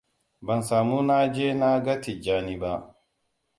Ban samu na je na ga Tijjani ba.